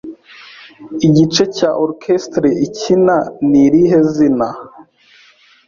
Igice cya orchestre ikina ni irihe zina?